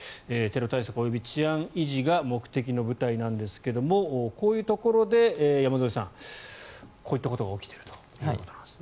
テロ対策及び治安維持が目的の部隊なんですがこういうところで山添さんこういったことが起きていると。